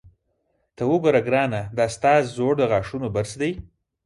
ته وګوره ګرانه، دا ستا زوړ د غاښونو برس دی.